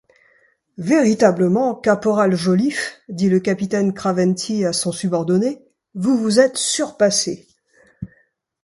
Véritablement, caporal Joliffe, dit le capitaine Craventy à son subordonné, vous vous êtes surpassé!